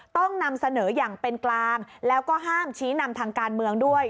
ต้องนำเสนออย่างเป็นกลางแล้วก็ห้ามชี้นำทางการเมืองด้วย